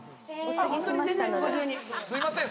すいません。